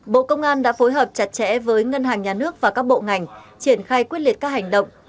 bộ công an đã phối hợp chặt chẽ với ngân hàng nhà nước và các bộ ngành triển khai quyết liệt các hành động